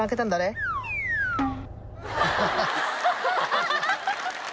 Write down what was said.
ハハハハ！